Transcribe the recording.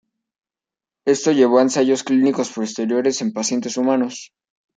Esto llevó a ensayos clínicos posteriores en pacientes humanos.